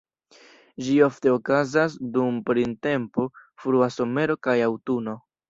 Ĝi ofte okazas dum printempo, frua somero kaj aŭtuno.